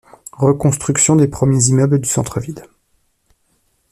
Reconstruction des premiers immeubles du centre-ville.